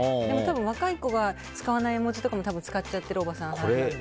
若い子が使わない絵文字とかも多分使っちゃっているおばさんなので。